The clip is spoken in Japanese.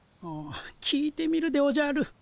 聞いてみるでおじゃる。